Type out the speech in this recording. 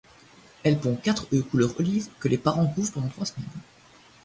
Elle pond quatre œufs couleur olive que les parents couvent pendant trois semaines.